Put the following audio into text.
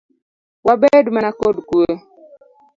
Wabed mana kod kue.